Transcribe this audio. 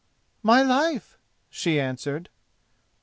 "My life," she answered.